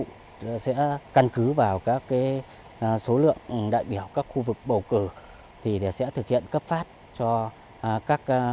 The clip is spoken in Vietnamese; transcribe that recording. các vật tư sẽ căn cứ vào số lượng đại biểu các khu vực bầu cử để thực hiện cấp phát cho các